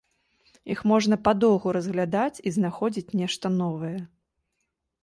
Іх можна падоўгу разглядаць і знаходзіць нешта новае.